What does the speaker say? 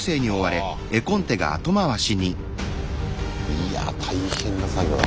いや大変な作業だ